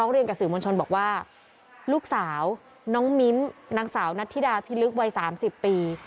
เรียนกับสื่อมวลชนบอกว่าลูกสาวน้องมิ้มนางสาวนัทธิดาพิลึกวัย๓๐ปี